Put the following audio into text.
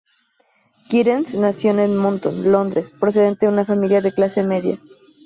Giddens nació en Edmonton, Londres, procedente de una familia de clase media.